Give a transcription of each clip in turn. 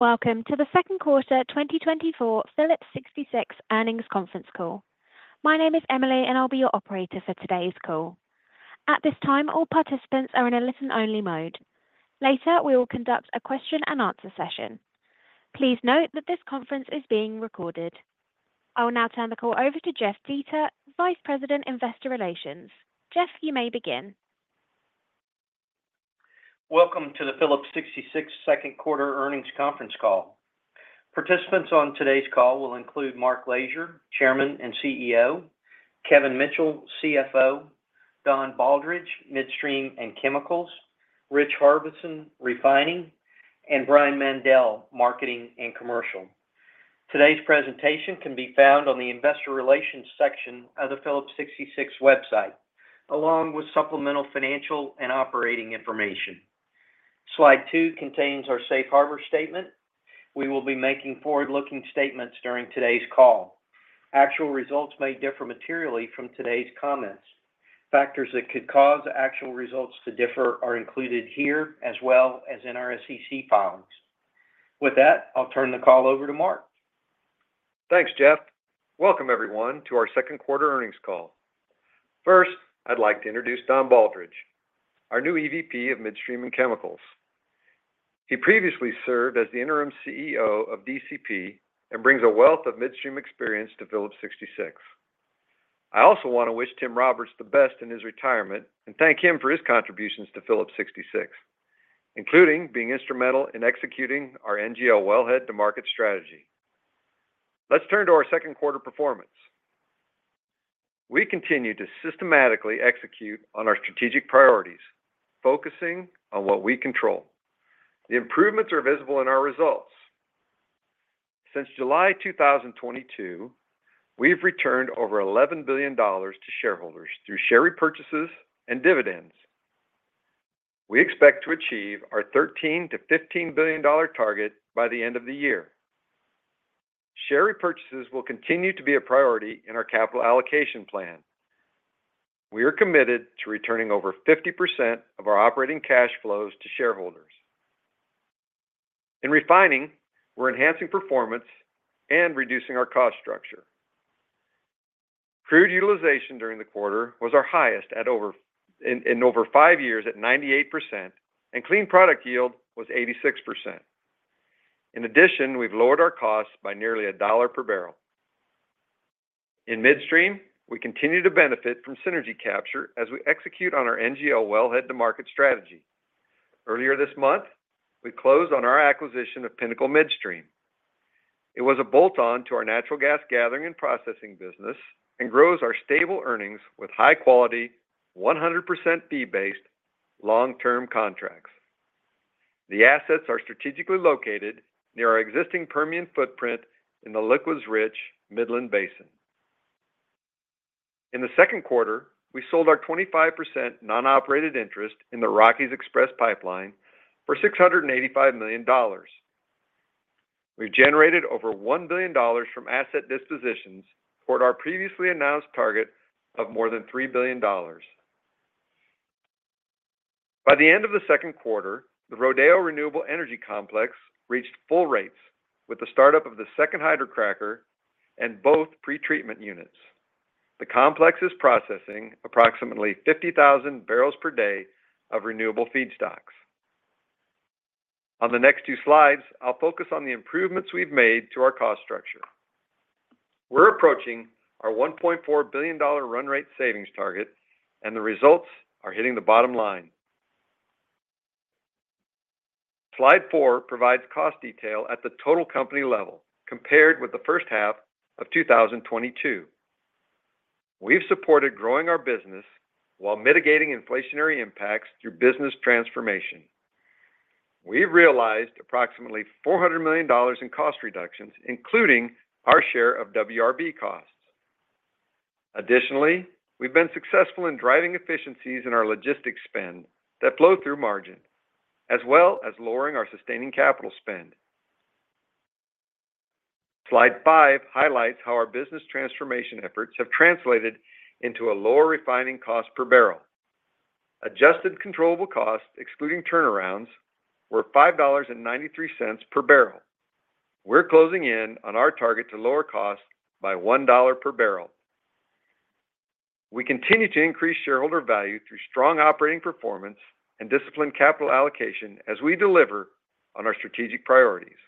Welcome to the second quarter 2024 Phillips 66 earnings conference call. My name is Emily, and I'll be your operator for today's call. At this time, all participants are in a listen-only mode. Later, we will conduct a question-and-answer session. Please note that this conference is being recorded. I will now turn the call over to Jeff Dietert, Vice President, Investor Relations. Jeff, you may begin. Welcome to the Phillips 66 second quarter earnings conference call. Participants on today's call will include Mark Lashier, Chairman and CEO, Kevin Mitchell, CFO, Don Baldridge, Midstream and Chemicals, Rich Harbison, Refining, and Brian Mandell, Marketing and Commercial. Today's presentation can be found on the Investor Relations section of the Phillips 66 website, along with supplemental financial and operating information. Slide two contains our safe harbor statement. We will be making forward-looking statements during today's call. Actual results may differ materially from today's comments. Factors that could cause actual results to differ are included here, as well as in our SEC filings. With that, I'll turn the call over to Mark. Thanks, Jeff. Welcome, everyone, to our second quarter earnings call. First, I'd like to introduce Don Baldridge, our new EVP of Midstream and Chemicals. He previously served as the interim CEO of DCP and brings a wealth of Midstream experience to Phillips 66. I also want to wish Tim Roberts the best in his retirement and thank him for his contributions to Phillips 66, including being instrumental in executing our NGL wellhead to market strategy. Let's turn to our second quarter performance. We continue to systematically execute on our strategic priorities, focusing on what we control. The improvements are visible in our results. Since July 2022, we've returned over $11 billion to shareholders through share repurchases and dividends. We expect to achieve our $13-$15 billion target by the end of the year. Share repurchases will continue to be a priority in our capital allocation plan. We are committed to returning over 50% of our operating cash flows to shareholders. In refining, we're enhancing performance and reducing our cost structure. Crude utilization during the quarter was our highest in over five years at 98%, and clean product yield was 86%. In addition, we've lowered our costs by nearly $1 per barrel. In Midstream, we continue to benefit from synergy capture as we execute on our NGL wellhead to market strategy. Earlier this month, we closed on our acquisition of Pinnacle Midstream. It was a bolt-on to our natural gas gathering and processing business and grows our stable earnings with high-quality, 100% fee-based long-term contracts. The assets are strategically located near our existing Permian footprint in the liquids-rich Midland Basin. In the second quarter, we sold our 25% non-operated interest in the Rockies Express Pipeline for $685 million. We've generated over $1 billion from asset dispositions toward our previously announced target of more than $3 billion. By the end of the second quarter, the Rodeo Renewable Energy Complex reached full rates with the startup of the second hydrocracker and both pretreatment units. The complex is processing approximately 50,000 bbl per day of renewable feedstocks. On the next two slides, I'll focus on the improvements we've made to our cost structure. We're approaching our $1.4 billion run rate savings target, and the results are hitting the bottom line. Slide four provides cost detail at the total company level compared with the first half of 2022. We've supported growing our business while mitigating inflationary impacts through business transformation. We've realized approximately $400 million in cost reductions, including our share of WRB costs. Additionally, we've been successful in driving efficiencies in our logistics spend that flow through margin, as well as lowering our sustaining capital spend. Slide five highlights how our business transformation efforts have translated into a lower refining cost per barrel. Adjusted Controllable Costs, excluding turnarounds, were $5.93 per barrel. We're closing in on our target to lower costs by $1 per barrel. We continue to increase shareholder value through strong operating performance and disciplined capital allocation as we deliver on our strategic priorities.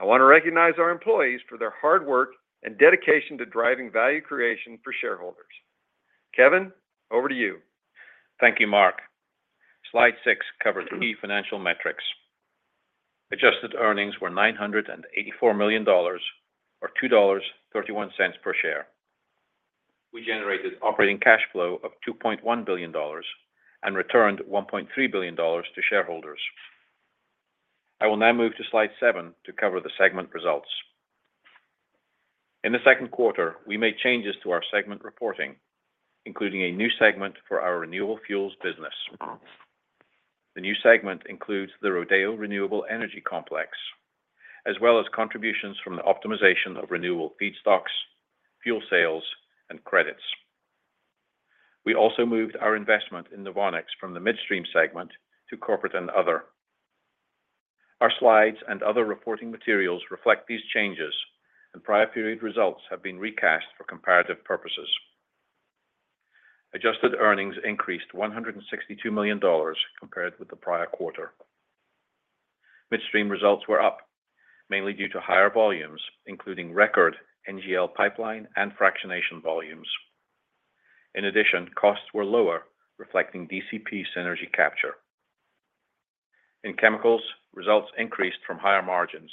I want to recognize our employees for their hard work and dedication to driving value creation for shareholders. Kevin, over to you. Thank you, Mark. Slide six covers key financial metrics. Adjusted earnings were $984 million, or $2.31 per share. We generated operating cash flow of $2.1 billion and returned $1.3 billion to shareholders. I will now move to slide seven to cover the segment results. In the second quarter, we made changes to our segment reporting, including a new segment for our renewable fuels business. The new segment includes the Rodeo Renewable Energy Complex, as well as contributions from the optimization of renewable feedstocks, fuel sales, and credits. We also moved our investment in NOVONIX from the Midstream segment to corporate and other. Our slides and other reporting materials reflect these changes, and prior period results have been recast for comparative purposes. Adjusted earnings increased $162 million compared with the prior quarter. Midstream results were up, mainly due to higher volumes, including record NGL pipeline and fractionation volumes. In addition, costs were lower, reflecting DCP synergy capture. In chemicals, results increased from higher margins.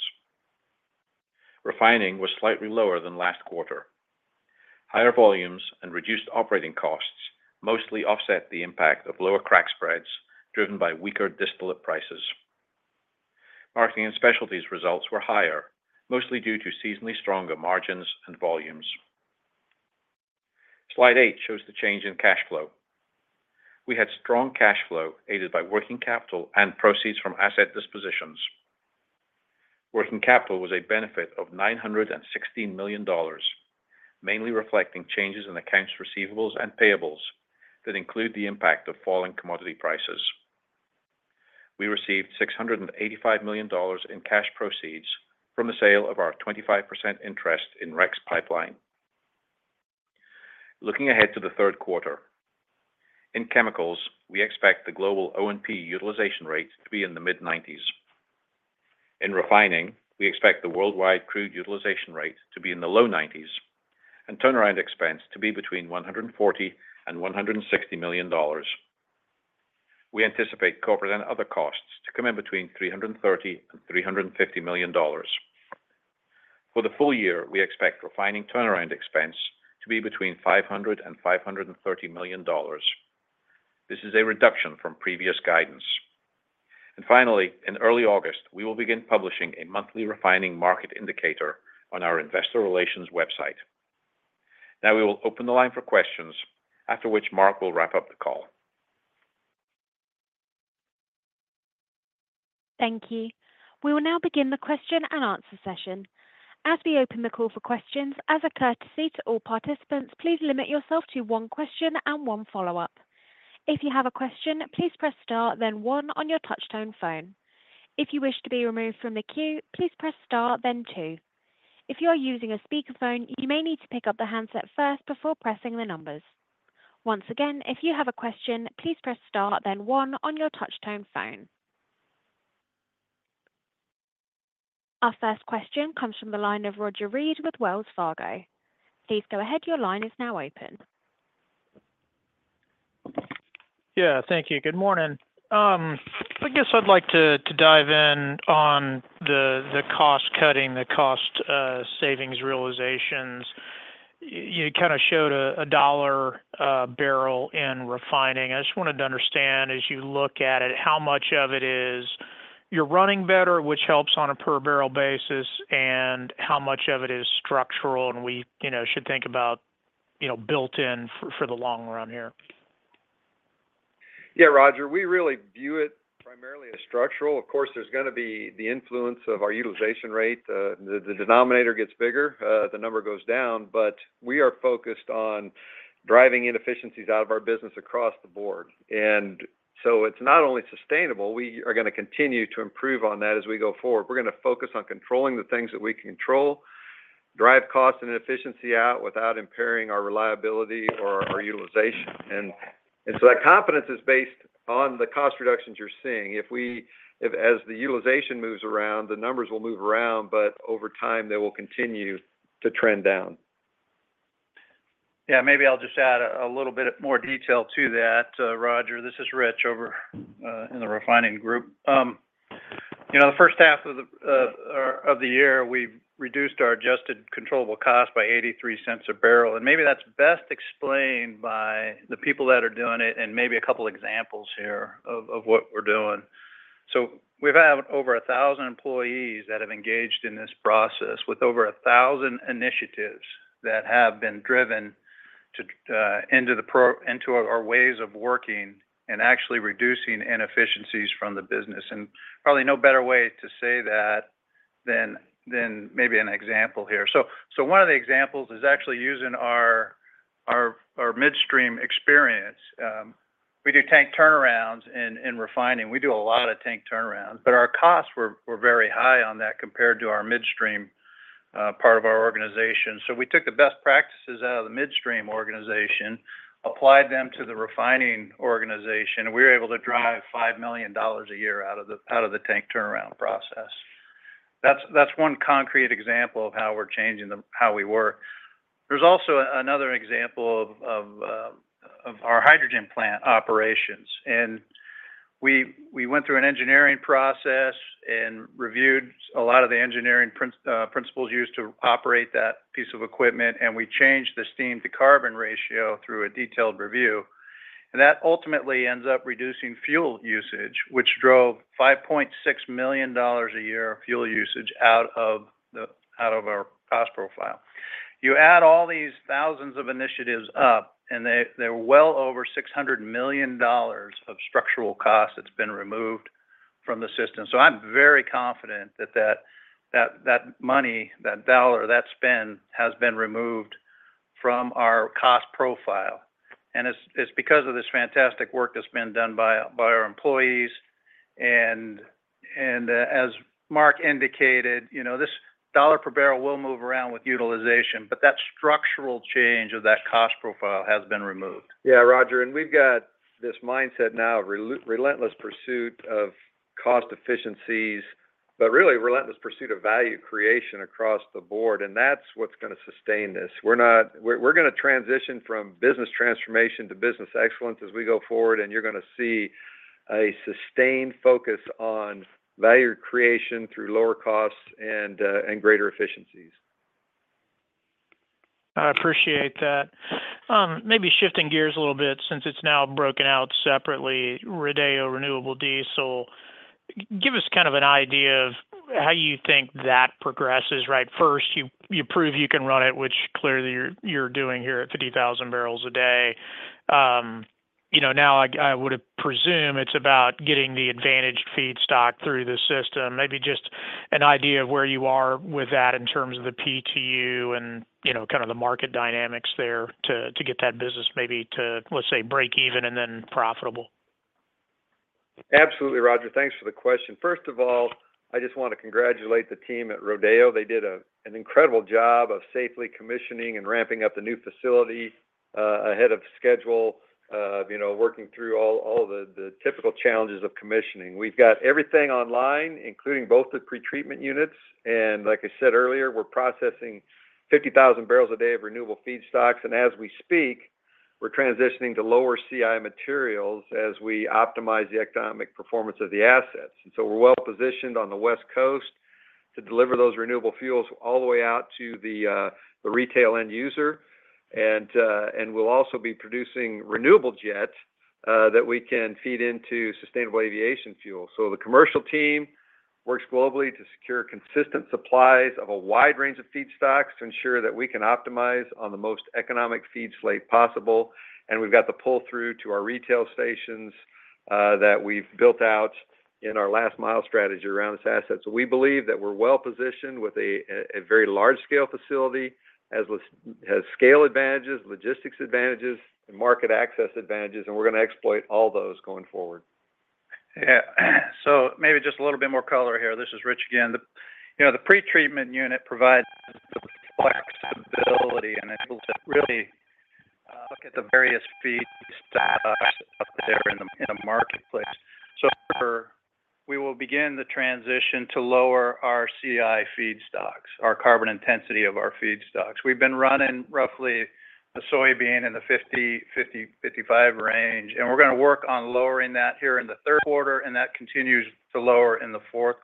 Refining was slightly lower than last quarter. Higher volumes and reduced operating costs mostly offset the impact of lower crack spreads driven by weaker distillate prices. Marketing and specialties results were higher, mostly due to seasonally stronger margins and volumes. Slide eight shows the change in cash flow. We had strong cash flow aided by working capital and proceeds from asset dispositions. Working capital was a benefit of $916 million, mainly reflecting changes in accounts receivables and payables that include the impact of falling commodity prices. We received $685 million in cash proceeds from the sale of our 25% interest in REX Pipeline. Looking ahead to the third quarter, in chemicals, we expect the global O&P utilization rate to be in the mid-90s. In refining, we expect the worldwide crude utilization rate to be in the low 90s and turnaround expense to be between $140-$160 million. We anticipate corporate and other costs to come in between $330-$350 million. For the full year, we expect refining turnaround expense to be between $500-$530 million. This is a reduction from previous guidance. Finally, in early August, we will begin publishing a monthly refining market indicator on our Investor Relations website. Now we will open the line for questions, after which Mark will wrap up the call. Thank you. We will now begin the question and answer session. As we open the call for questions, as a courtesy to all participants, please limit yourself to one question and one follow-up. If you have a question, please press Star, then One on your touch-tone phone. If you wish to be removed from the queue, please press Star, then Two. If you are using a speakerphone, you may need to pick up the handset first before pressing the numbers. Once again, if you have a question, please press Star, then One on your touch-tone phone. Our first question comes from the line of Roger Read with Wells Fargo. Please go ahead. Your line is now open. Yeah, thank you. Good morning. I guess I'd like to dive in on the cost cutting, the cost savings realizations. You kind of showed $1 barrel in refining. I just wanted to understand, as you look at it, how much of it is you're running better, which helps on a per barrel basis, and how much of it is structural and we should think about built-in for the long run here. Yeah, Roger, we really view it primarily as structural. Of course, there's going to be the influence of our utilization rate. The denominator gets bigger, the number goes down, but we are focused on driving inefficiencies out of our business across the board. And so it's not only sustainable, we are going to continue to improve on that as we go forward. We're going to focus on controlling the things that we can control, drive cost and inefficiency out without impairing our reliability or our utilization. And so that confidence is based on the cost reductions you're seeing. As the utilization moves around, the numbers will move around, but over time, they will continue to trend down. Yeah, maybe I'll just add a little bit more detail to that, Roger. This is Rich over in the refining group. The H1 of the year, we've reduced our adjusted controllable cost by $0.83 a barrel. And maybe that's best explained by the people that are doing it and maybe a couple of examples here of what we're doing. So we've had over 1,000 employees that have engaged in this process with over 1,000 initiatives that have been driven into our ways of working and actually reducing inefficiencies from the business. And probably no better way to say that than maybe an example here. So one of the examples is actually using our Midstream experience. We do tank turnarounds in refining. We do a lot of tank turnarounds, but our costs were very high on that compared to our Midstream part of our organization. We took the best practices out of the Midstream organization, applied them to the refining organization, and we were able to drive $5 million a year out of the tank turnaround process. That's one concrete example of how we're changing how we work. There's also another example of our hydrogen plant operations. We went through an engineering process and reviewed a lot of the engineering principles used to operate that piece of equipment, and we changed the steam-to-carbon ratio through a detailed review. That ultimately ends up reducing fuel usage, which drove $5.6 million a year of fuel usage out of our cost profile. You add all these thousands of initiatives up, and they're well over $600 million of structural costs that's been removed from the system. I'm very confident that that money, that dollar, that spend has been removed from our cost profile. It's because of this fantastic work that's been done by our employees. As Mark indicated, this $1 per barrel will move around with utilization, but that structural change of that cost profile has been removed. Yeah, Roger. We've got this mindset now of relentless pursuit of cost efficiencies, but really relentless pursuit of value creation across the board. That's what's going to sustain this. We're going to transition from business transformation to business excellence as we go forward, and you're going to see a sustained focus on value creation through lower costs and greater efficiencies. I appreciate that. Maybe shifting gears a little bit since it's now broken out separately, Rodeo renewable diesel, give us kind of an idea of how you think that progresses. Right. First, you prove you can run it, which clearly you're doing here at 50,000 bbl a day. Now, I would presume it's about getting the advantaged feedstock through the system. Maybe just an idea of where you are with that in terms of the PTU and kind of the market dynamics there to get that business maybe to, let's say, break even and then profitable. Absolutely, Roger. Thanks for the question. First of all, I just want to congratulate the team at Rodeo. They did an incredible job of safely commissioning and ramping up the new facility ahead of schedule, working through all the typical challenges of commissioning. We've got everything online, including both the pretreatment units. Like I said earlier, we're processing 50,000 bbl a day of renewable feedstocks. As we speak, we're transitioning to lower CI materials as we optimize the economic performance of the assets. So we're well positioned on the West Coast to deliver those renewable fuels all the way out to the retail end user. We'll also be producing renewable jets that we can feed into sustainable aviation fuel. The commercial team works globally to secure consistent supplies of a wide range of feedstocks to ensure that we can optimize on the most economic feed slate possible. We've got the pull-through to our retail stations that we've built out in our last mile strategy around this asset. We believe that we're well positioned with a very large-scale facility that has scale advantages, logistics advantages, and market access advantages. We're going to exploit all those going forward. Yeah. So maybe just a little bit more color here. This is Rich again. The pretreatment unit provides the flexibility and enables us to really look at the various feedstocks out there in the marketplace. So we will begin the transition to lower our CI feedstocks, our carbon intensity of our feedstocks. We've been running roughly the soybean in the 50-55 range. And we're going to work on lowering that here in the third quarter, and that continues to lower in the Q4.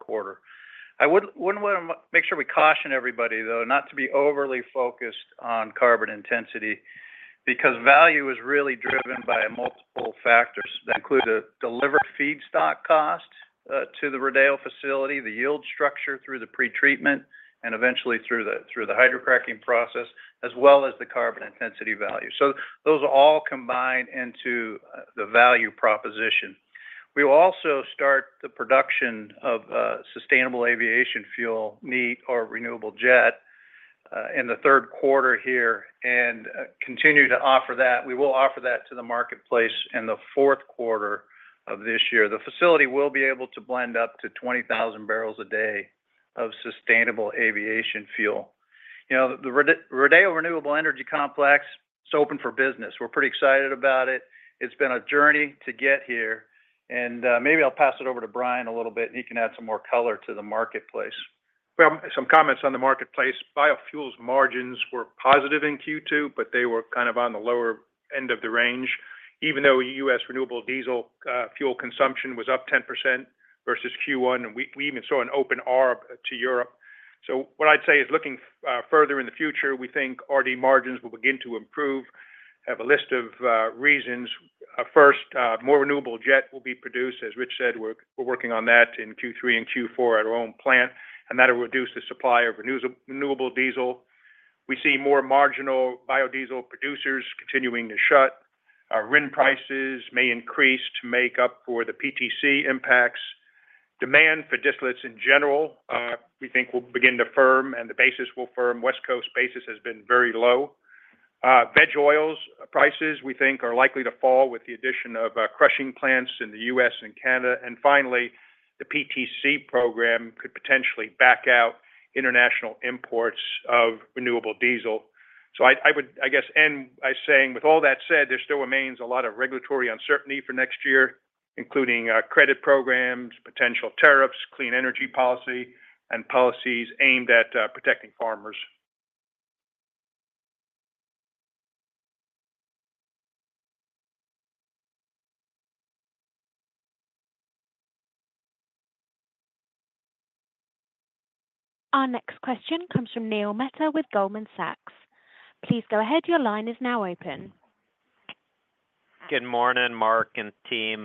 I would want to make sure we caution everybody, though, not to be overly focused on carbon intensity because value is really driven by multiple factors that include the delivered feedstock cost to the Rodeo facility, the yield structure through the pretreatment, and eventually through the hydro cracking process, as well as the carbon intensity value. So those all combine into the value proposition. We will also start the production of sustainable aviation fuel or renewable jet in the third quarter here and continue to offer that. We will offer that to the marketplace in the fourth quarter of this year. The facility will be able to blend up to 20,000 bbl a day of sustainable aviation fuel. The Rodeo Renewable Energy Complex is open for business. We're pretty excited about it. It's been a journey to get here. Maybe I'll pass it over to Brian a little bit, and he can add some more color to the marketplace. Well, some comments on the marketplace. Biofuel's margins were positive in Q2, but they were kind of on the lower end of the range, even though U.S. renewable diesel fuel consumption was up 10% versus Q1. And we even saw an open arb to Europe. So what I'd say is looking further in the future, we think RD margins will begin to improve. I have a list of reasons. First, more renewable jet will be produced, as Rich said. We're working on that in Q3 and Q4 at our own plant, and that will reduce the supply of renewable diesel. We see more marginal biodiesel producers continuing to shut. Our RIN prices may increase to make up for the PTC impacts. Demand for distillates in general, we think, will begin to firm, and the basis will firm. West Coast basis has been very low. Veg oils prices, we think, are likely to fall with the addition of crushing plants in the U.S. and Canada. Finally, the PTC program could potentially back out international imports of renewable diesel. I guess I'll end by saying, with all that said, there still remains a lot of regulatory uncertainty for next year, including credit programs, potential tariffs, clean energy policy, and policies aimed at protecting farmers. Our next question comes from Neil Mehta with Goldman Sachs. Please go ahead. Your line is now open. Good morning, Mark and team.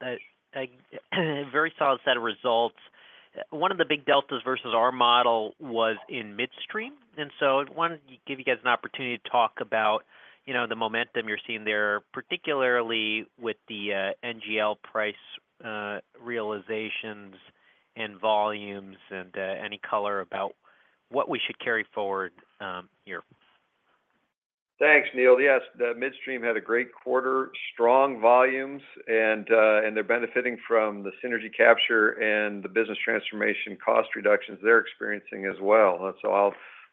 Very solid set of results. One of the big deltas versus our model was in Midstream. I wanted to give you guys an opportunity to talk about the momentum you're seeing there, particularly with the NGL price realizations and volumes and any color about what we should carry forward here. Thanks, Neil. Yes, the Midstream had a great quarter, strong volumes, and they're benefiting from the synergy capture and the business transformation cost reductions they're experiencing as well.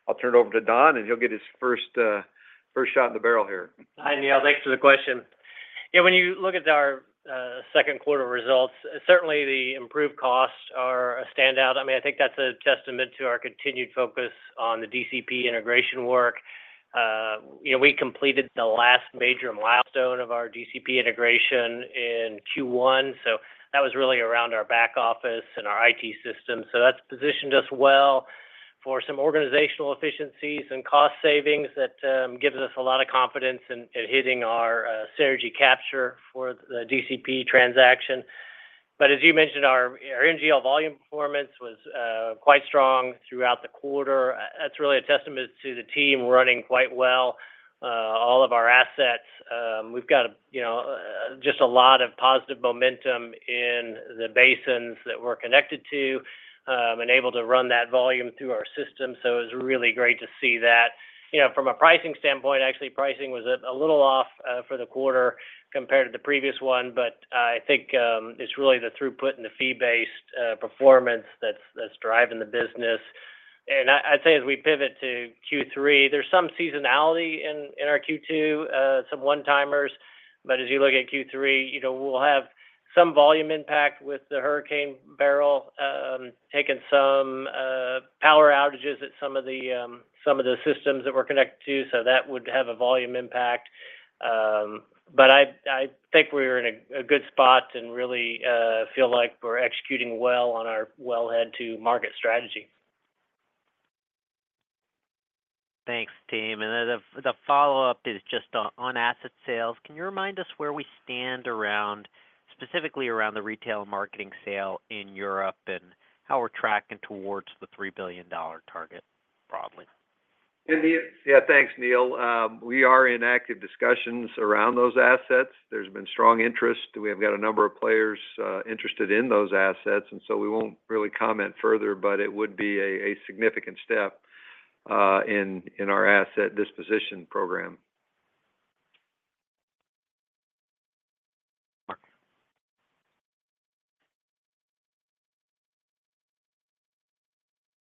I'll turn it over to Don, and he'll get his first shot in the barrel here. Thanks, Neil. Yes, the Midstream had a great quarter, strong volumes, and they're benefiting from the synergy capture and the business transformation cost reductions they're experiencing as well. I'll turn it over to Don, and he'll get his first shot in the barrel here. Hi, Neil. Thanks for the question. Yeah, when you look at our second quarter results, certainly the improve cost are a standout. I mean, I think that's a testament to our continued focus on the DCP integration work. We completed the last major milestone of our DCP integration in Q1. So that was really around our back office and our IT system. So that's positioned us well for some organizational efficiencies and cost savings that gives us a lot of confidence in hitting our synergy capture for the DCP transaction. But as you mentioned, our NGL volume performance was quite strong throughout the quarter. That's really a testament to the team running quite well all of our assets. We've got just a lot of positive momentum in the basins that we're connected to and able to run that volume through our system. So it was really great to see that. From a pricing standpoint, actually, pricing was a little off for the quarter compared to the previous one. But I think it's really the throughput and the fee-based performance that's driving the business. And I'd say as we pivot to Q3, there's some seasonality in our Q2, some one-timers. But as you look at Q3, we'll have some volume impact with the hurricane barrel, taken some power outages at some of the systems that we're connected to. So that would have a volume impact. But I think we're in a good spot and really feel like we're executing well on our wellhead to market strategy. Thanks, team. The follow-up is just on asset sales. Can you remind us where we stand around, specifically around the retail marketing sale in Europe and how we're tracking towards the $3 billion target broadly? Yeah, thanks, Neil. We are in active discussions around those assets. There's been strong interest. We have got a number of players interested in those assets. We won't really comment further, but it would be a significant step in our asset disposition program.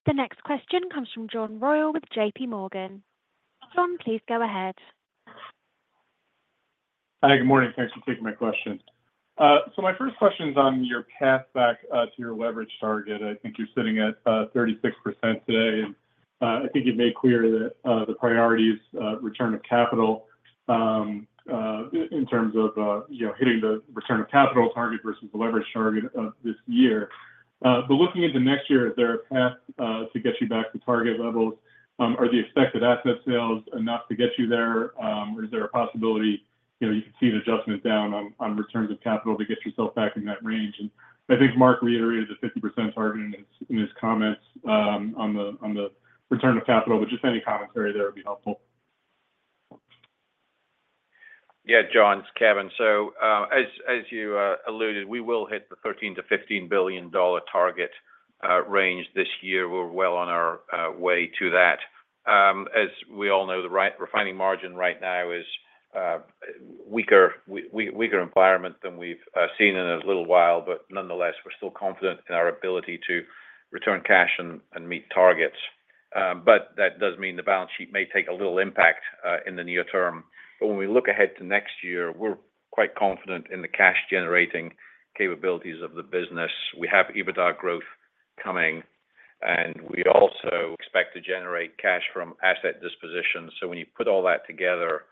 The next question comes from John Royall with JPMorgan. John, please go ahead. Hi, good morning. Thanks for taking my question. My first question is on your path back to your leverage target. I think you're sitting at 36% today. I think you've made clear that the priority is return of capital in terms of hitting the return of capital target versus the leverage target of this year. Looking into next year, is there a path to get you back to target levels? Are the expected asset sales enough to get you there? Is there a possibility you can see an adjustment down on returns of capital to get yourself back in that range? I think Mark reiterated the 50% target in his comments on the return of capital, but just any commentary there would be helpful. Yeah, John, it's Kevin. So as you alluded, we will hit the $13-$15 billion target range this year. We're well on our way to that. As we all know, the refining margin right now is a weaker environment than we've seen in a little while. But nonetheless, we're still confident in our ability to return cash and meet targets. But that does mean the balance sheet may take a little impact in the near term. But when we look ahead to next year, we're quite confident in the cash-generating capabilities of the business. We have EBITDA growth coming. And we also expect to generate cash from asset disposition. When you put all that together,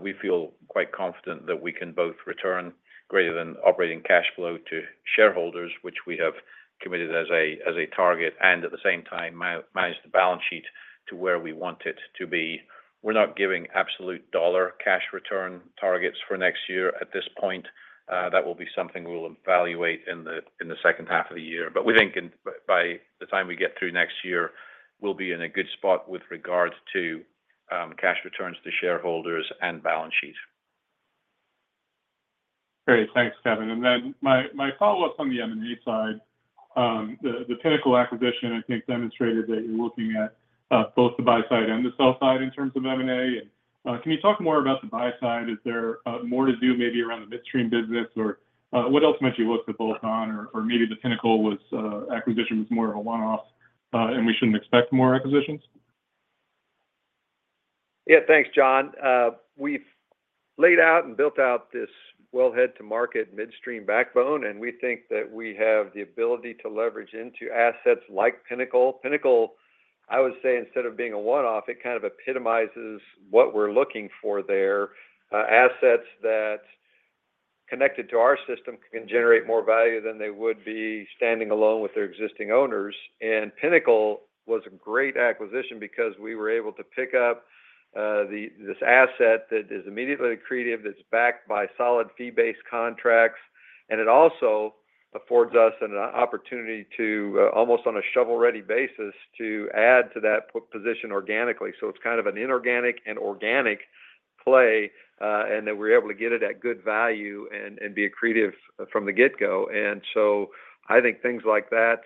we feel quite confident that we can both return greater than operating cash flow to shareholders, which we have committed as a target, and at the same time, manage the balance sheet to where we want it to be. We're not giving absolute dollar cash return targets for next year at this point. That will be something we'll evaluate in the H2 of the year. We think by the time we get through next year, we'll be in a good spot with regard to cash returns to shareholders and balance sheet. Great. Thanks, Kevin. And then my follow-up on the M&A side, the Pinnacle acquisition, I think, demonstrated that you're looking at both the buy side and the sell side in terms of M&A. And can you talk more about the buy side? Is there more to do maybe around the Midstream business? Or what else might you look to bolt on? Or maybe the Pinnacle acquisition was more of a one-off, and we shouldn't expect more acquisitions? Yeah, thanks, John. We've laid out and built out this Wellhead to Market Midstream backbone. We think that we have the ability to leverage into assets like Pinnacle. Pinnacle, I would say, instead of being a one-off, it kind of epitomizes what we're looking for there. Assets that are connected to our system can generate more value than they would be standing alone with their existing owners. Pinnacle was a great acquisition because we were able to pick up this asset that is immediately accretive, that's backed by solid fee-based contracts. It also affords us an opportunity to, almost on a shovel-ready basis, add to that position organically. So it's kind of an inorganic and organic play, and that we're able to get it at good value and be accretive from the get-go. And so I think things like that,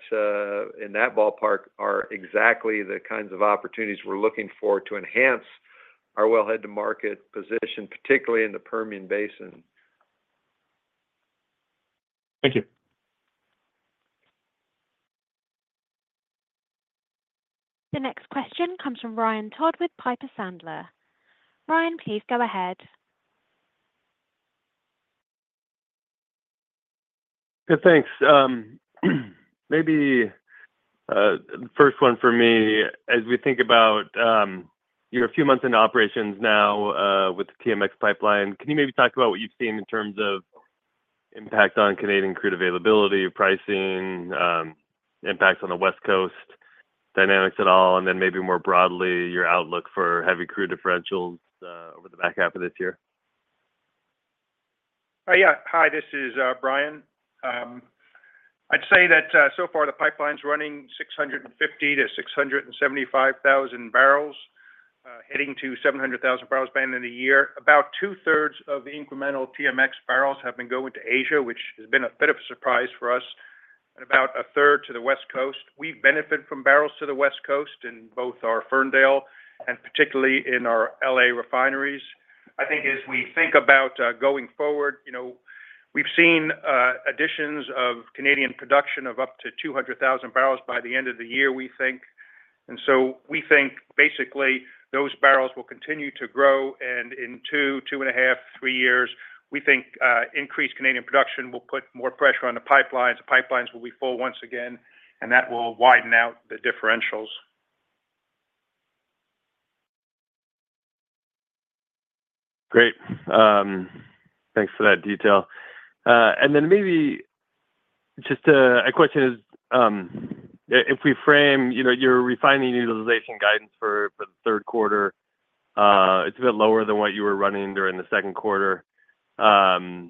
in that ballpark, are exactly the kinds of opportunities we're looking for to enhance our wellhead to market position, particularly in the Permian Basin. Thank you. The next question comes from Ryan Todd with Piper Sandler. Ryan, please go ahead. Thanks. Maybe the first one for me, as we think about you're a few months into operations now with the TMX pipeline. Can you maybe talk about what you've seen in terms of impact on Canadian crude availability, pricing, impacts on the West Coast, dynamics at all, and then maybe more broadly, your outlook for heavy crude differentials over the back half of this year? Yeah. Hi, this is Brian. I'd say that so far, the pipeline's running 650,000-675,000 bbl, heading to 700,000-barrel band in a year. About 2/3 of the incremental TMX barrels have been going to Asia, which has been a bit of a surprise for us, and about a third to the West Coast. We've benefited from barrels to the West Coast in both our Ferndale and particularly in our L.A. refineries. I think as we think about going forward, we've seen additions of Canadian production of up to 200,000 bbl by the end of the year, we think. And so we think basically those barrels will continue to grow. And in two, 2.5, three years, we think increased Canadian production will put more pressure on the pipelines. The pipelines will be full once again, and that will widen out the differentials. Great. Thanks for that detail. And then maybe just a question is, if we frame your refining utilization guidance for the third quarter, it's a bit lower than what you were running during the Q2.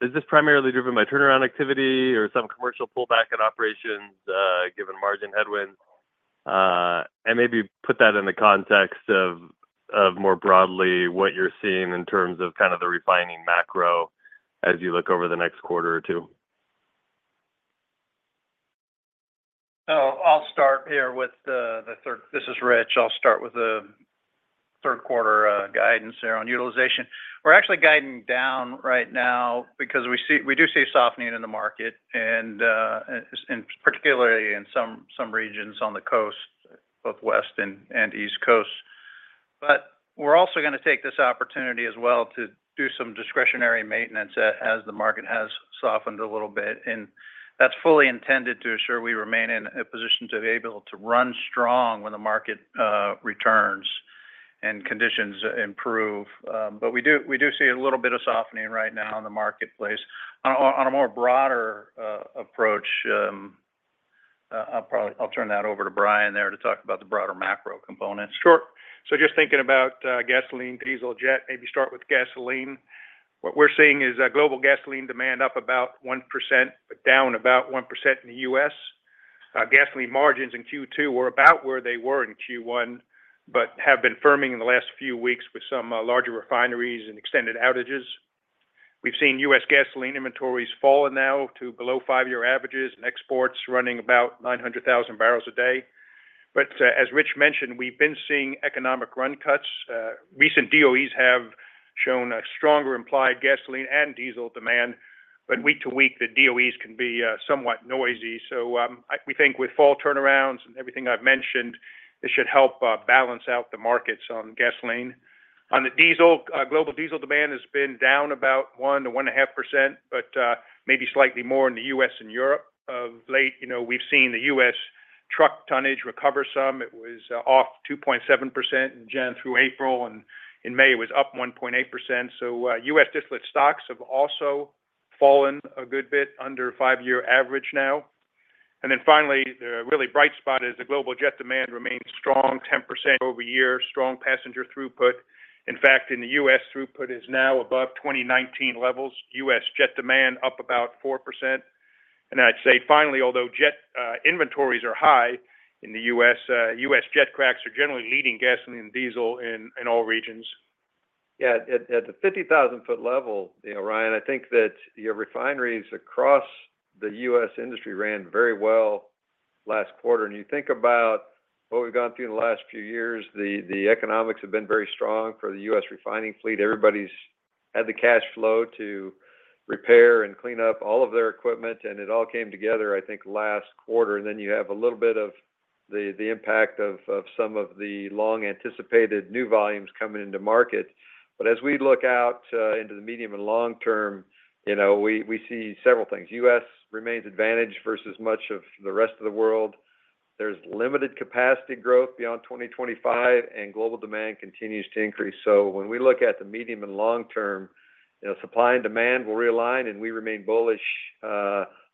Is this primarily driven by turnaround activity or some commercial pullback in operations given margin headwinds? And maybe put that in the context of more broadly what you're seeing in terms of kind of the refining macro as you look over the next quarter or two. I'll start here with the third. This is Rich. I'll start with the third quarter guidance here on utilization. We're actually guiding down right now because we do see a softening in the market, and particularly in some regions on the coast, both West and East Coast. But we're also going to take this opportunity as well to do some discretionary maintenance as the market has softened a little bit. And that's fully intended to assure we remain in a position to be able to run strong when the market returns and conditions improve. But we do see a little bit of softening right now in the marketplace. On a more broader approach, I'll turn that over to Brian there to talk about the broader macro components. Sure. So just thinking about gasoline, diesel, jet, maybe start with gasoline. What we're seeing is global gasoline demand up about 1%, down about 1% in the US. Gasoline margins in Q2 were about where they were in Q1, but have been firming in the last few weeks with some larger refineries and extended outages. We've seen US gasoline inventories falling now to below five-year averages and exports running about 900,000 bbl a day. But as Rich mentioned, we've been seeing economic run cuts. Recent DOEs have shown a stronger implied gasoline and diesel demand. But week to week, the DOEs can be somewhat noisy. So we think with fall turnarounds and everything I've mentioned, it should help balance out the markets on gasoline. On the diesel, global diesel demand has been down about 1%-1.5%, but maybe slightly more in the U.S. and Europe. Of late, we've seen the U.S. truck tonnage recover some. It was off 2.7% in January through April, and in May, it was up 1.8%. So U.S. distillate stocks have also fallen a good bit under five-year average now. And then finally, the really bright spot is the global jet demand remains strong, 10% over year, strong passenger throughput. In fact, in the U.S., throughput is now above 2019 levels. U.S. jet demand up about 4%. And I'd say finally, although jet inventories are high in the U.S., U.S. jet cracks are generally leading gasoline and diesel in all regions. Yeah. At the 50,000-foot level, Ryan, I think that your refineries across the U.S. industry ran very well last quarter. And you think about what we've gone through in the last few years, the economics have been very strong for the U.S. refining fleet. Everybody's had the cash flow to repair and clean up all of their equipment. And it all came together, I think, last quarter. And then you have a little bit of the impact of some of the long-anticipated new volumes coming into market. But as we look out into the medium and long term, we see several things. U.S. remains advantaged versus much of the rest of the world. There's limited capacity growth beyond 2025, and global demand continues to increase. So when we look at the medium and long term, supply and demand will realign, and we remain bullish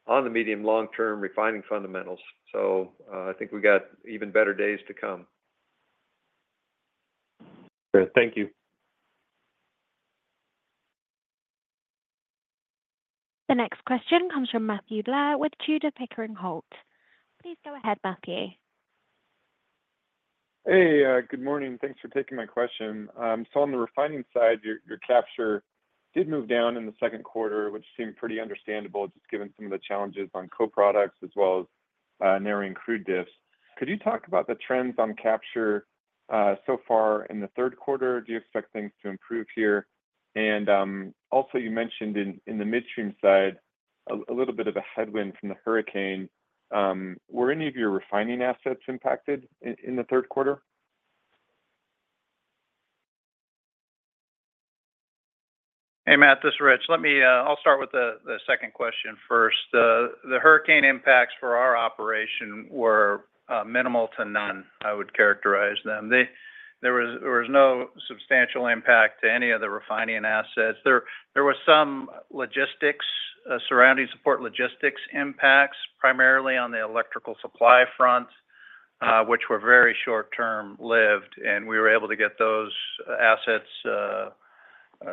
on the medium-long-term refining fundamentals. I think we've got even better days to come. Thank you. The next question comes from Matthew Blair with Tudor, Pickering, Holt. Please go ahead, Matthew. Hey, good morning. Thanks for taking my question. So on the refining side, your capture did move down in the second quarter, which seemed pretty understandable, just given some of the challenges on co-products as well as narrowing crude diffs. Could you talk about the trends on capture so far in the third quarter? Do you expect things to improve here? And also, you mentioned in the Midstream side, a little bit of a headwind from the hurricane. Were any of your refining assets impacted in the third quarter? Hey, Matt, this is Rich. I'll start with the second question first. The hurricane impacts for our operation were minimal to none, I would characterize them. There was no substantial impact to any of the refining assets. There were some logistics, surrounding support logistics impacts, primarily on the electrical supply front, which were very short-term lived. And we were able to get those assets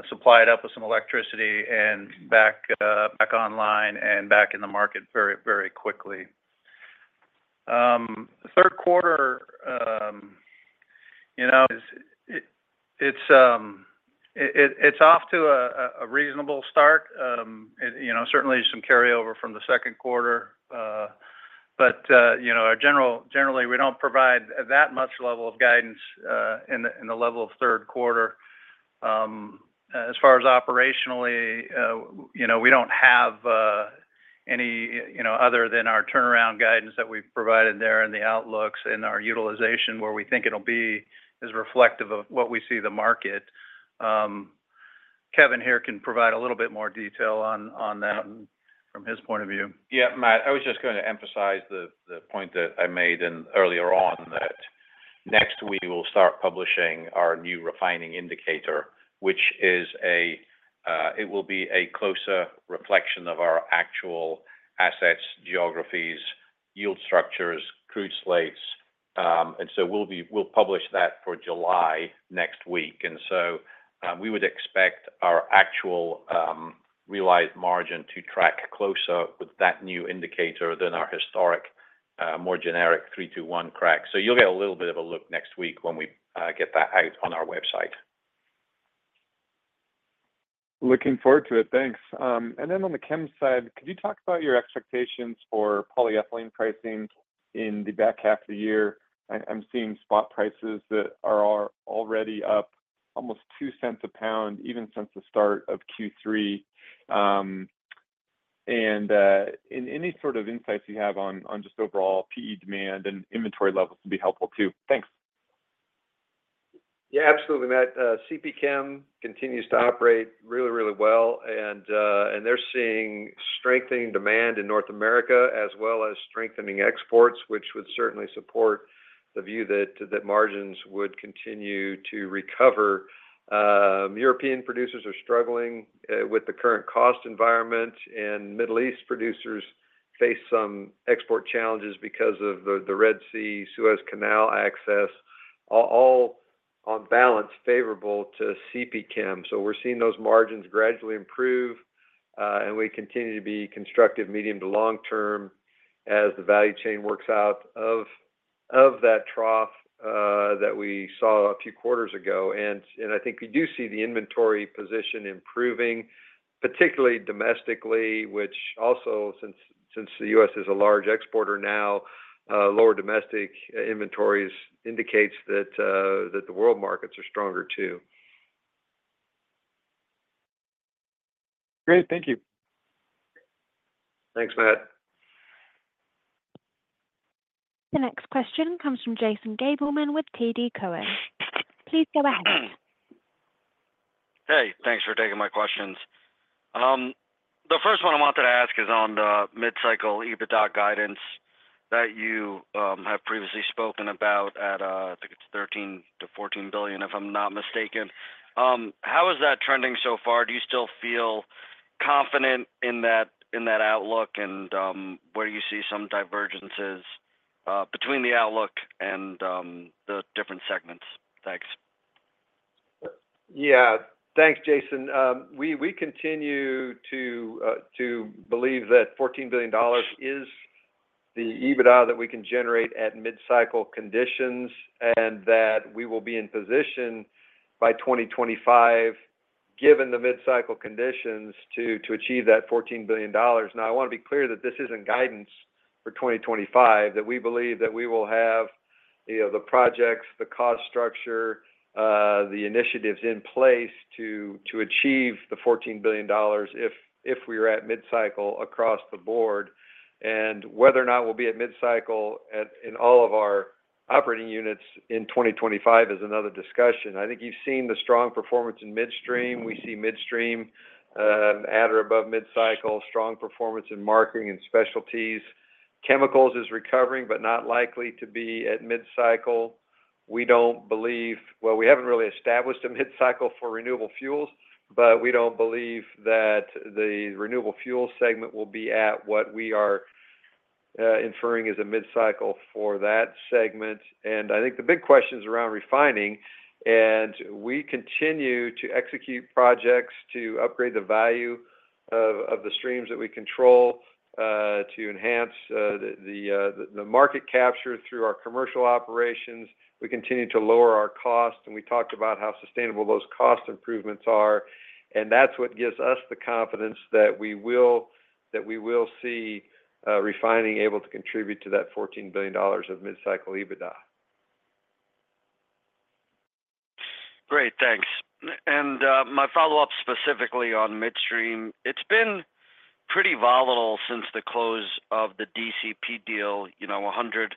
supplied up with some electricity and back online and back in the market very, very quickly. Third quarter, it's off to a reasonable start. Certainly, some carryover from the second quarter. But generally, we don't provide that much level of guidance in the level of third quarter. As far as operationally, we don't have any other than our turnaround guidance that we've provided there and the outlooks and our utilization, where we think it'll be, is reflective of what we see the market. Kevin here can provide a little bit more detail on that from his point of view. Yeah, Matt. I was just going to emphasize the point that I made earlier on that next we will start publishing our new refining indicator, which is, it will be a closer reflection of our actual assets, geographies, yield structures, crude slates. And so we'll publish that for July next week. And so we would expect our actual realized margin to track closer with that new indicator than our historic, more generic 321 crack. So you'll get a little bit of a look next week when we get that out on our website. Looking forward to it. Thanks. And then on the chem side, could you talk about your expectations for polyethylene pricing in the back half of the year? I'm seeing spot prices that are already up almost $0.02 a pound, even since the start of Q3. And any sort of insights you have on just overall PE demand and inventory levels would be helpful too. Thanks. Yeah, absolutely, Matt. CP Chem continues to operate really, really well. They're seeing strengthening demand in North America as well as strengthening exports, which would certainly support the view that margins would continue to recover. European producers are struggling with the current cost environment. Middle East producers face some export challenges because of the Red Sea, Suez Canal access, all on balance favorable to CP Chem. We're seeing those margins gradually improve. We continue to be constructive, medium to long term as the value chain works out of that trough that we saw a few quarters ago. I think we do see the inventory position improving, particularly domestically, which also, since the U.S. is a large exporter now, lower domestic inventories indicates that the world markets are stronger too. Great. Thank you. Thanks, Matt. The next question comes from Jason Gabelman with TD Cowen. Please go ahead. Hey. Thanks for taking my questions. The first one I wanted to ask is on the mid-cycle EBITDA guidance that you have previously spoken about at, I think it's $13 billion-$14 billion, if I'm not mistaken. How is that trending so far? Do you still feel confident in that outlook? And where do you see some divergences between the outlook and the different segments? Thanks. Yeah. Thanks, Jason. We continue to believe that $14 billion is the EBITDA that we can generate at mid-cycle conditions and that we will be in position by 2025, given the mid-cycle conditions, to achieve that $14 billion. Now, I want to be clear that this isn't guidance for 2025, that we believe that we will have the projects, the cost structure, the initiatives in place to achieve the $14 billion if we are at mid-cycle across the board. And whether or not we'll be at mid-cycle in all of our operating units in 2025 is another discussion. I think you've seen the strong performance in midstream. We see midstream at or above mid-cycle, strong performance in marketing and specialties. Chemicals is recovering, but not likely to be at mid-cycle. We don't believe well, we haven't really established a mid-cycle for renewable fuels, but we don't believe that the renewable fuel segment will be at what we are inferring is a mid-cycle for that segment. I think the big question is around refining. We continue to execute projects to upgrade the value of the streams that we control, to enhance the market capture through our commercial operations. We continue to lower our costs. We talked about how sustainable those cost improvements are. That's what gives us the confidence that we will see refining able to contribute to that $14 billion of mid-cycle EBITDA. Great. Thanks. My follow-up specifically on midstream, it's been pretty volatile since the close of the DCP deal, $100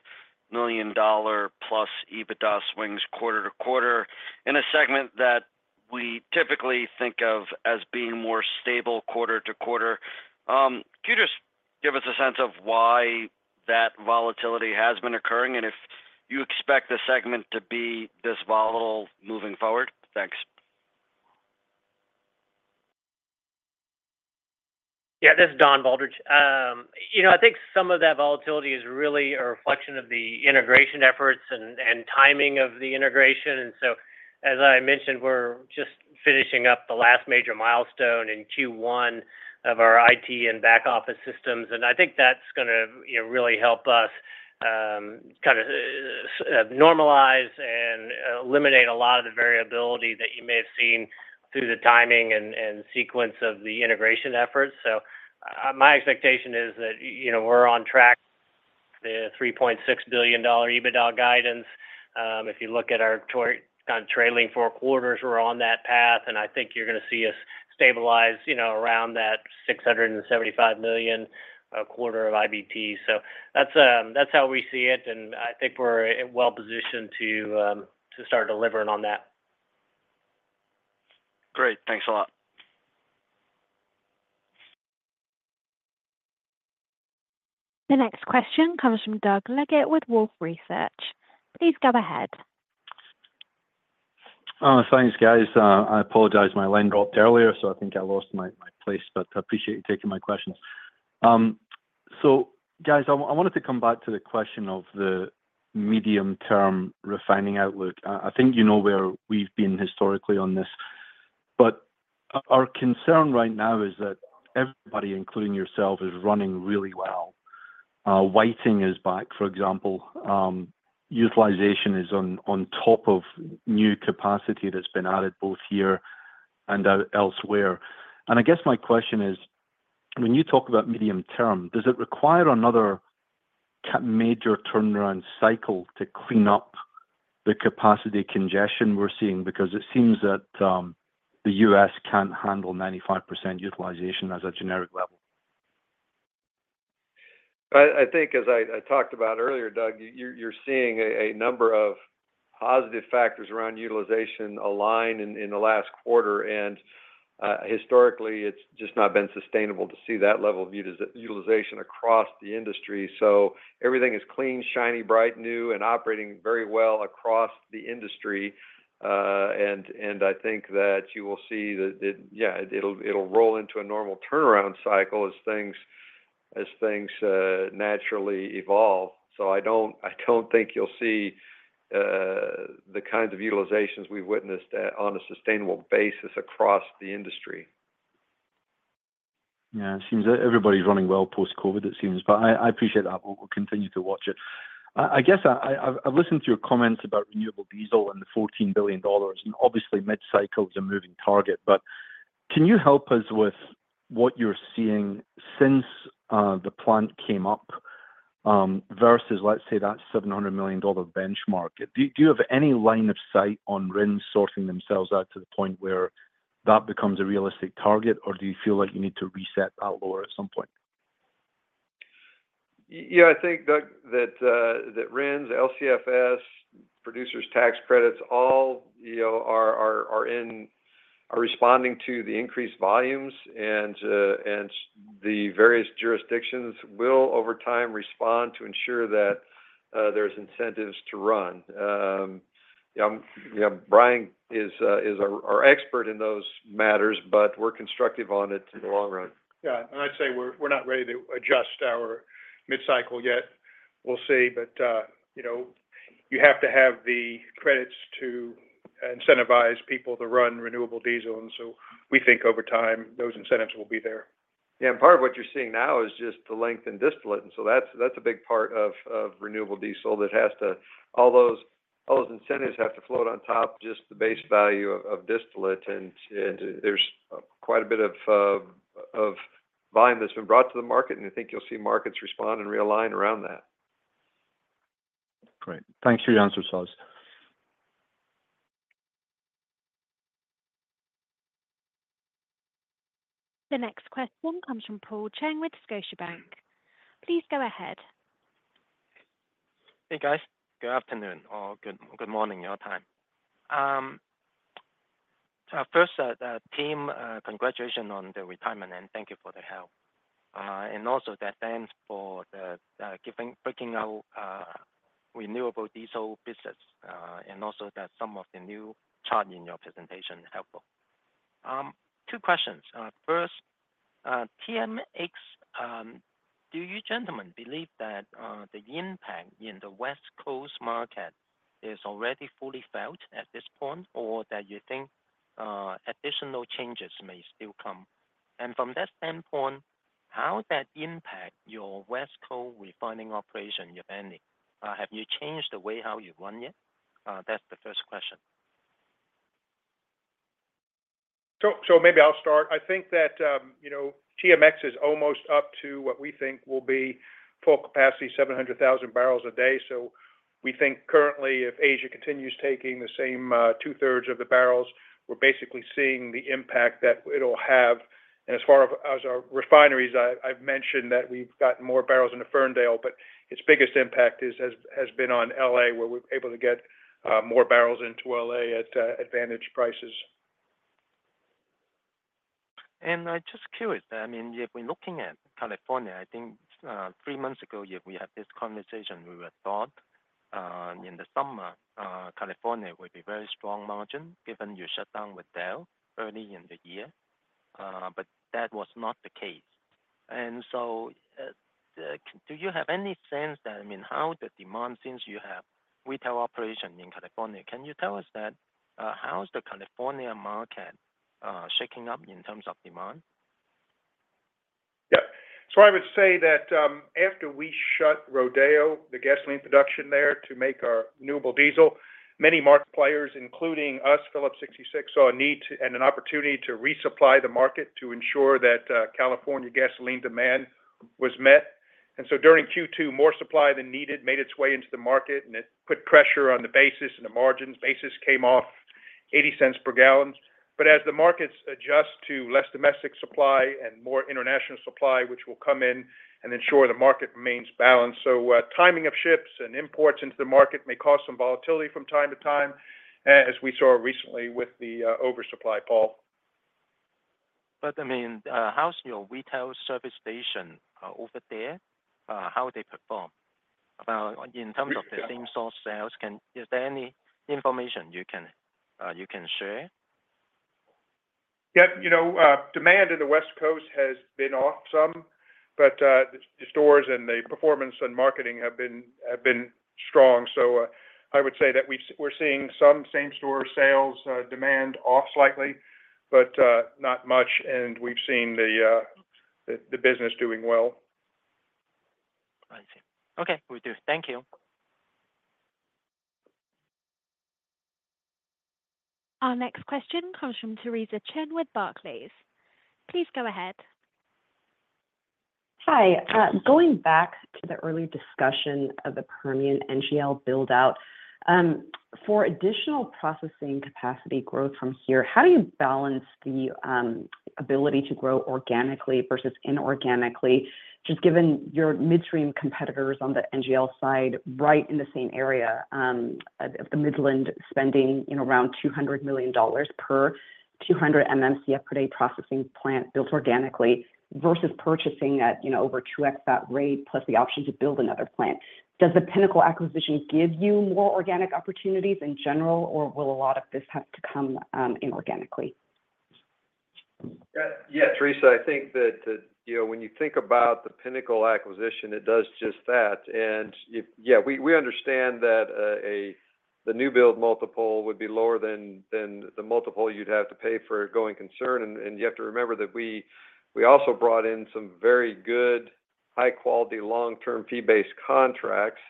million plus EBITDA swings quarter-to-quarter in a segment that we typically think of as being more stable quarter-to-quarter. Could you just give us a sense of why that volatility has been occurring and if you expect the segment to be this volatile moving forward? Thanks. Yeah, this is Don Baldridge. I think some of that volatility is really a reflection of the integration efforts and timing of the integration. And so, as I mentioned, we're just finishing up the last major milestone in Q1 of our IT and back office systems. And I think that's going to really help us kind of normalize and eliminate a lot of the variability that you may have seen through the timing and sequence of the integration efforts. So my expectation is that we're on track. The $3.6 billion EBITDA guidance, if you look at our kind of trailing four quarters, we're on that path. And I think you're going to see us stabilize around that $675 million a quarter of IBT. So that's how we see it. And I think we're well positioned to start delivering on that. Great. Thanks a lot. The next question comes from Doug Leggate with Wolfe Research. Please go ahead. Thanks, guys. I apologize. My line dropped earlier, so I think I lost my place. But I appreciate you taking my questions. So, guys, I wanted to come back to the question of the medium-term refining outlook. I think you know where we've been historically on this. But our concern right now is that everybody, including yourself, is running really well. Whiting is back, for example. Utilization is on top of new capacity that's been added both here and elsewhere. And I guess my question is, when you talk about medium term, does it require another major turnaround cycle to clean up the capacity congestion we're seeing? Because it seems that the U.S. can't handle 95% utilization as a generic level. I think, as I talked about earlier, Doug, you're seeing a number of positive factors around utilization align in the last quarter. Historically, it's just not been sustainable to see that level of utilization across the industry. Everything is clean, shiny, bright, new, and operating very well across the industry. I think that you will see that, yeah, it'll roll into a normal turnaround cycle as things naturally evolve. I don't think you'll see the kinds of utilizations we've witnessed on a sustainable basis across the industry. Yeah. It seems everybody's running well post-COVID, it seems. But I appreciate that. We'll continue to watch it. I guess I've listened to your comments about renewable diesel and the $14 billion. And obviously, mid-cycle is a moving target. But can you help us with what you're seeing since the plant came up versus, let's say, that $700 million benchmark? Do you have any line of sight on RIN sourcing themselves out to the point where that becomes a realistic target, or do you feel like you need to reset that lower at some point? Yeah. I think that RINs, LCFS, producers' tax credits, all are responding to the increased volumes. And the various jurisdictions will, over time, respond to ensure that there's incentives to run. Yeah, Brian is our expert in those matters, but we're constructive on it in the long run. Yeah. I'd say we're not ready to adjust our mid-cycle yet. We'll see. But you have to have the credits to incentivize people to run renewable diesel. So we think over time, those incentives will be there. Yeah. Part of what you're seeing now is just the length and Distillate. So that's a big part of Renewable Diesel that has to all those incentives have to float on top. Just the base value of Distillate. There's quite a bit of volume that's been brought to the market. I think you'll see markets respond and realign around that. Great. Thanks for your answers. The next question comes from Paul Cheng with Scotiabank. Please go ahead. Hey, guys. Good afternoon. Or good morning your time. First, team, congratulations on the retirement, and thank you for the help. And also that thanks for the breaking out renewable diesel business. And also that some of the new chart in your presentation helpful. Two questions. First, TMX, do you gentlemen believe that the impact in the West Coast market is already fully felt at this point, or that you think additional changes may still come? And from that standpoint, how that impact your West Coast refining operation, if any, have you changed the way how you run it? That's the first question. Maybe I'll start. I think that TMX is almost up to what we think will be full capacity, 700,000 bbl a day. We think currently, if Asia continues taking the same 2/3 of the barrels, we're basically seeing the impact that it'll have. As far as our refineries, I've mentioned that we've gotten more barrels in the Ferndale, but its biggest impact has been on L.A., where we're able to get more barrels into L.A. at advantage prices. And just curious, I mean, if we're looking at California, I think three months ago, if we had this conversation, we would have thought in the summer, California would be very strong margin given you shut down Rodeo early in the year. But that was not the case. And so do you have any sense that, I mean, how the demand since you have retail operation in California, can you tell us that how's the California market shaking up in terms of demand? Yeah. So I would say that after we shut Rodeo, the gasoline production there to make our renewable diesel, many market players, including us, Phillips 66, saw a need and an opportunity to resupply the market to ensure that California gasoline demand was met. So during Q2, more supply than needed made its way into the market, and it put pressure on the basis and the margins. Basis came off $0.80 per gallon. But as the markets adjust to less domestic supply and more international supply, which will come in and ensure the market remains balanced. So timing of ships and imports into the market may cause some volatility from time to time, as we saw recently with the oversupply, Paul. I mean, how's your retail service station over there? How they perform in terms of same-store sales? Is there any information you can share? Yeah. Demand in the West Coast has been off some, but the stores and the performance and marketing have been strong. I would say that we're seeing some same-store sales demand off slightly, but not much. We've seen the business doing well. I see. Okay. We do. Thank you. Our next question comes from Theresa Chen with Barclays. Please go ahead. Hi. Going back to the earlier discussion of the Permian NGL buildout, for additional processing capacity growth from here, how do you balance the ability to grow organically versus inorganically, just given your midstream competitors on the NGL side right in the same area, the Midland spending around $200 million per 200 MMCF per day processing plant built organically versus purchasing at over 2x that rate plus the option to build another plant? Does the Pinnacle acquisition give you more organic opportunities in general, or will a lot of this have to come inorganically? Yeah. Theresa, I think that when you think about the Pinnacle acquisition, it does just that. Yeah, we understand that the new build multiple would be lower than the multiple you'd have to pay for going concern. You have to remember that we also brought in some very good, high-quality, long-term fee-based contracts.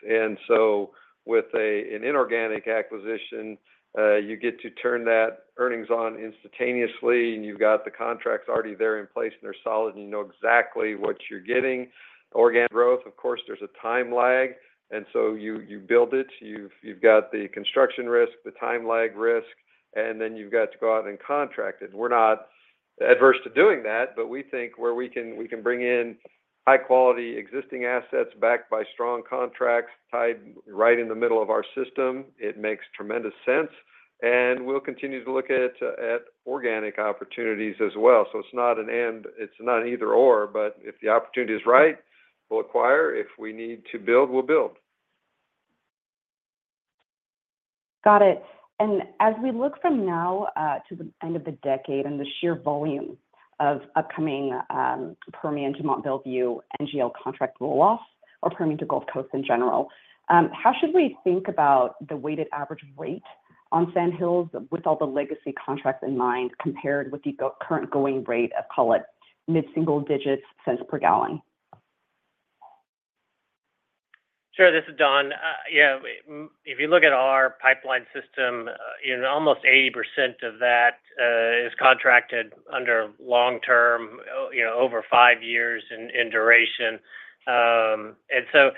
So with an inorganic acquisition, you get to turn that earnings on instantaneously, and you've got the contracts already there in place, and they're solid, and you know exactly what you're getting. Organic growth, of course, there's a time lag. So you build it. You've got the construction risk, the time lag risk, and then you've got to go out and contract it. We're not adverse to doing that, but we think where we can bring in high-quality existing assets backed by strong contracts tied right in the middle of our system, it makes tremendous sense. We'll continue to look at organic opportunities as well. It's not an and it's not an either/or. If the opportunity is right, we'll acquire. If we need to build, we'll build. Got it. As we look from now to the end of the decade and the sheer volume of upcoming Permian to Mont Belvieu NGL contract rolloff, or Permian to Gulf Coast in general, how should we think about the weighted average rate on Sand Hills with all the legacy contracts in mind compared with the current going rate of, call it, mid-single digits cents per gallon? Sure. This is Don. Yeah. If you look at our pipeline system, almost 80% of that is contracted under long-term, over five years in duration. And so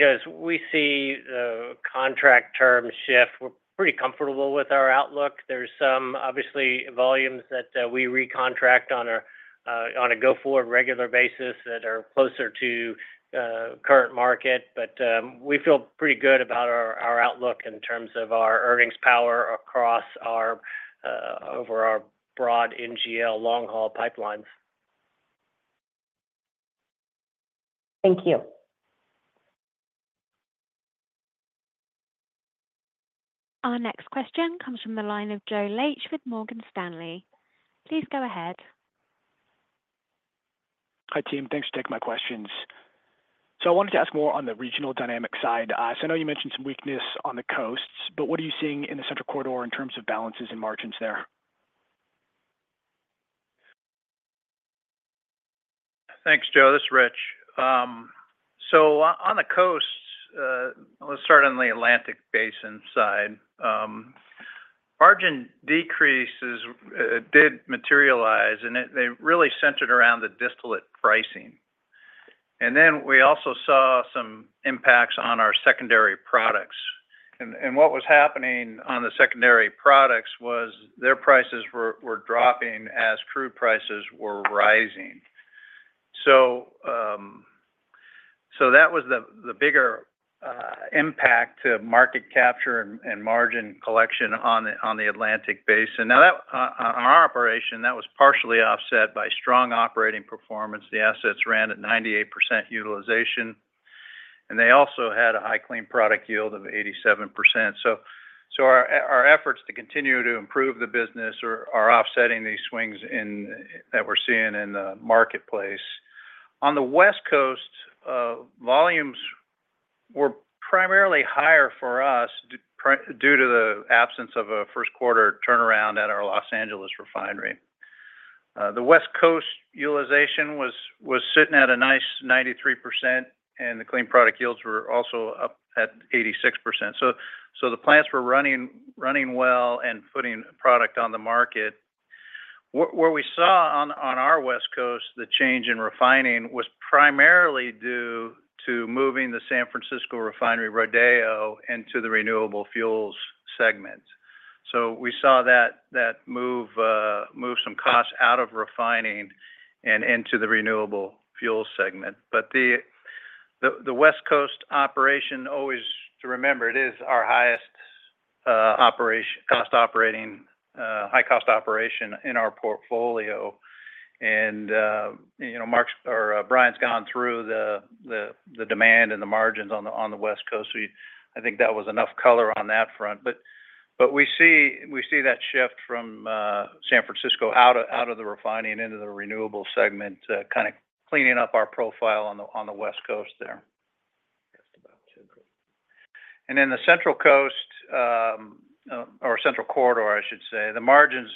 as we see the contract terms shift, we're pretty comfortable with our outlook. There's some, obviously, volumes that we recontract on a go-forward regular basis that are closer to current market. But we feel pretty good about our outlook in terms of our earnings power across over our broad NGL long-haul pipelines. Thank you. Our next question comes from the line of Joe Laetsch with Morgan Stanley. Please go ahead. Hi, team. Thanks for taking my questions. I wanted to ask more on the regional dynamic side. So I know you mentioned some weakness on the coasts, but what are you seeing in the Central Corridor in terms of balances and margins there? Thanks, Joe. This is Rich. So on the coasts, certainly Atlantic Basin side, margin decreases did materialize, and they really centered around the distillate pricing. And then we also saw some impacts on our secondary products. And what was happening on the secondary products was their prices were dropping as crude prices were rising. So that was the bigger impact to market capture and margin collection on the Atlantic Basin. Now, on our operation, that was partially offset by strong operating performance. The assets ran at 98% utilization. And they also had a high clean product yield of 87%. So our efforts to continue to improve the business are offsetting these swings that we're seeing in the marketplace. On the West Coast, volumes were primarily higher for us due to the absence of a first quarter turnaround at our Los Angeles refinery. The West Coast utilization was sitting at a nice 93%, and the clean product yields were also up at 86%. So the plants were running well and putting product on the market. Where we saw on our West Coast, the change in refining was primarily due to moving the San Francisco Refinery Rodeo into the renewable fuels segment. So we saw that move some costs out of refining and into the renewable fuel segment. But the West Coast operation, always to remember, it is our highest cost operating, high-cost operation in our portfolio. And Brian's gone through the demand and the margins on the West Coast. I think that was enough color on that front. But we see that shift from San Francisco out of the refining into the renewable segment, kind of cleaning up our profile on the West Coast there. And then the Central Corridor, I should say, the margins,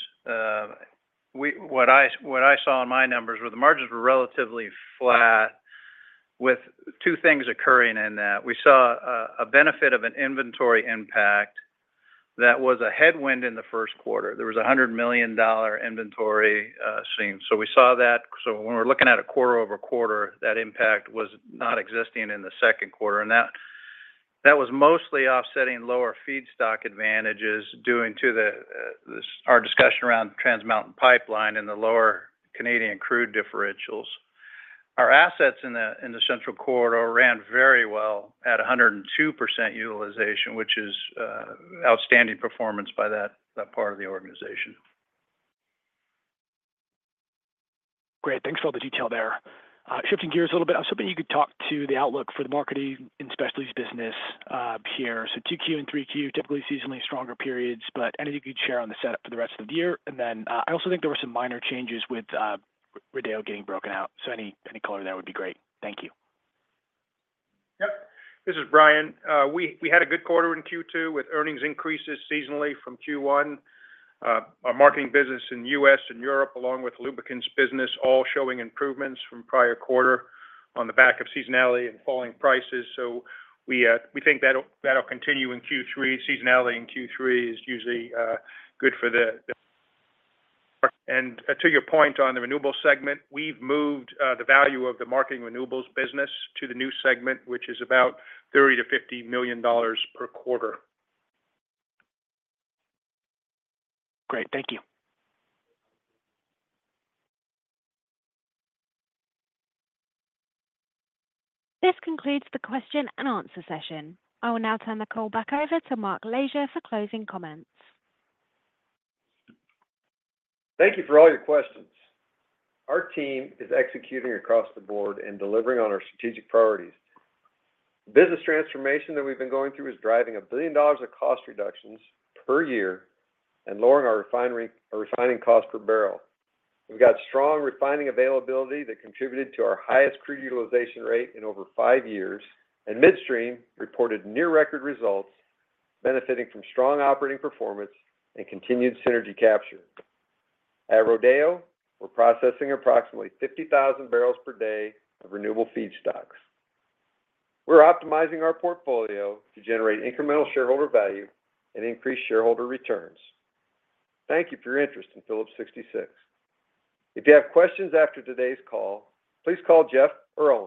what I saw in my numbers were the margins were relatively flat with two things occurring in that. We saw a benefit of an inventory impact that was a headwind in the first quarter. There was a $100 million inventory gain. So we saw that. So when we're looking at a quarter-over-quarter, that impact was not existing in the second quarter. And that was mostly offsetting lower feedstock advantages due to our discussion around Trans Mountain Pipeline and the lower Canadian crude differentials. Our assets in the Central Corridor ran very well at 102% utilization, which is outstanding performance by that part of the organization. Great. Thanks for all the detail there. Shifting gears a little bit, I was hoping you could talk to the outlook for the marketing and specialties business here. So 2Q and 3Q, typically seasonally stronger periods, but anything you could share on the setup for the rest of the year? And then I also think there were some minor changes with Rodeo getting broken out. So any color there would be great. Thank you. Yep. This is Brian. We had a good quarter in Q2 with earnings increases seasonally from Q1. Our marketing business in the U.S. and Europe, along with lubricants business, all showing improvements from prior quarter on the back of seasonality and falling prices. So we think that'll continue in Q3. Seasonality in Q3 is usually good for the. And to your point on the renewable segment, we've moved the value of the marketing renewables business to the new segment, which is about $30 million-$50 million per quarter. Great. Thank you. This concludes the question and answer session. I will now turn the call back over to Mark Lashier for closing comments. Thank you for all your questions. Our team is executing across the board and delivering on our strategic priorities. The business transformation that we've been going through is driving $1 billion of cost reductions per year and lowering our refining cost per barrel. We've got strong refining availability that contributed to our highest crude utilization rate in over five years, and midstream reported near-record results, benefiting from strong operating performance and continued synergy capture. At Rodeo, we're processing approximately 50,000 bbl per day of renewable feedstocks. We're optimizing our portfolio to generate incremental shareholder value and increase shareholder returns. Thank you for your interest in Phillips 66. If you have questions after today's call, please call Jeff or Owen.